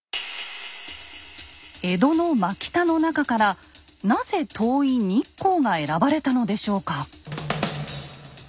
江戸の真北の中からなぜ遠い日光が選ばれたのでしょうか？